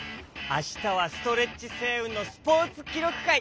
あしたはストレッチせいうんのスポーツきろくかい。